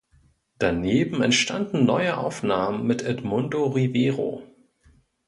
Daneben entstanden neue Aufnahmen mit Edmundo Rivero.